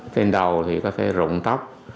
trên đầu thì có thể rụng tóc